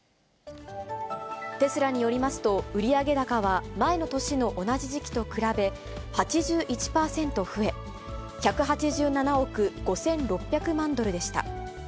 テスラによりますと、売上高は前の年の同じ時期と比べ８１％増え、１８７億５６００万ドルでした。